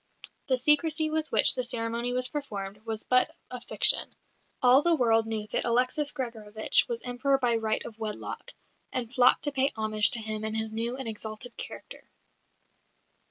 The secrecy with which the ceremony was performed was but a fiction. All the world knew that Alexis Gregorovitch was Emperor by right of wedlock, and flocked to pay homage to him in his new and exalted character.